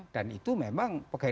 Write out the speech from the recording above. dan itu memang pegawai